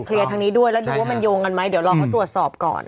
ทางนี้ด้วยแล้วดูว่ามันโยงกันไหมเดี๋ยวรอเขาตรวจสอบก่อน